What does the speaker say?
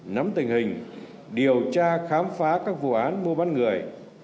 nắm tình hình điều tra khám phá các vụ án mua bán người